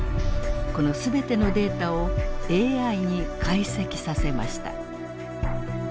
この全てのデータをＡＩに解析させました。